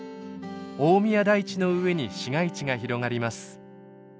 大宮台地の上に市街地が広がります。